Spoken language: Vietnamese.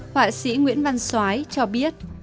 họa sĩ nguyễn văn xoái cho biết